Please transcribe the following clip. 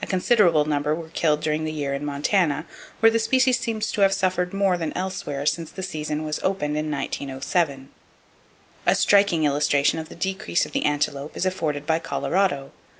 A considerable number were killed during the year in Montana, where the species seems to have suffered more than elsewhere since the season was opened in 1907. "A striking illustration of the decrease of the antelope is afforded by Colorado.